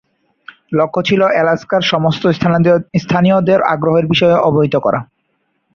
লক্ষ্য ছিল আলাস্কার সমস্ত স্থানীয়দের আগ্রহের বিষয়ে অবহিত করা।